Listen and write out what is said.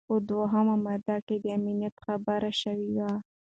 په دوهمه ماده کي د امنیت خبره شوې وه.